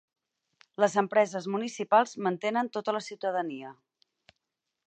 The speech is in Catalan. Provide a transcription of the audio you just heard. Les empreses municipals mantenen tota la ciutadania.